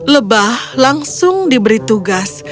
lebah langsung diberi tugas